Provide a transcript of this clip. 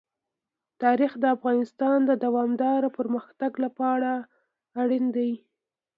تاریخ د افغانستان د دوامداره پرمختګ لپاره اړین دي.